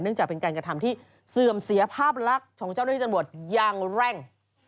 จากเป็นการกระทำที่เสื่อมเสียภาพลักษณ์ของเจ้าหน้าที่ตำรวจอย่างเร่ง